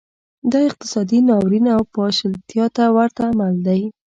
دا اقتصادي ناورین او پاشلتیا ته ورته عمل و